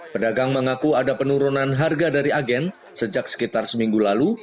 pedagang mengaku ada penurunan harga dari agen sejak sekitar seminggu lalu